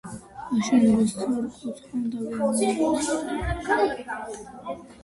შენობა სწორკუთხა დაგეგმარებისაა და გააჩნია შიდა ეზო.